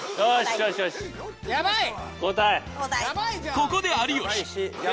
ここで有吉。